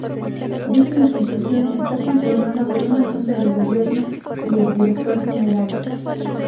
Dicha institución está conformada por una Junta de Gobierno y el Director General.